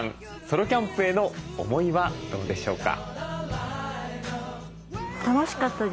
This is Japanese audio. ソロキャンプへの思いはどうでしょうか。